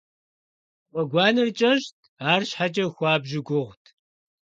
Гъуэгуанэр кӏэщӏт, арщхьэкӏэ хуабжьу гугъут.